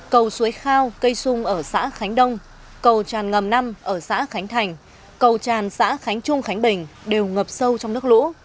cầu suối khao cây xung ở xã khánh đông cầu tràn ngầm năm ở xã khánh thành cầu tràn xã khánh trung khánh bình đều ngập sâu trong nước lũ